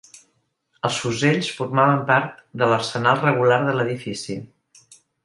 Els fusells formaven part de l'arsenal regular de l'edifici